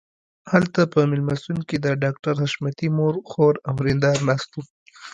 هلته په مېلمستون کې د ډاکټر حشمتي مور خور او ورېندار ناست وو